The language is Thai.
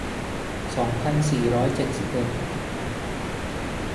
สองพันสี่ร้อยเจ็ดสิบเอ็ด